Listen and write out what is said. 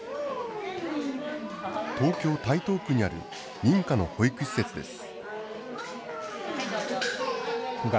東京・台東区にある認可の保育施設です。